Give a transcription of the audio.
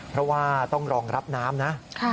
เพราะว่าต้องรองรับน้ำนะ